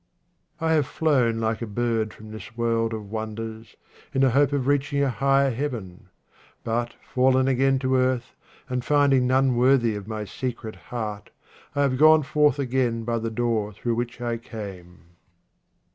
I have flown like a bird from this world of wonders, in the hope of reaching a higher Heaven. But, fallen again to earth, and find ing none worthy of my secret heart, I have gone forth again by the door through which I came.